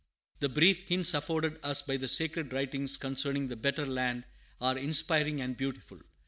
The brief hints afforded us by the sacred writings concerning the better land are inspiring and beautiful.